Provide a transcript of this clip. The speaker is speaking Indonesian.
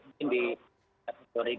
prospek untuk bisa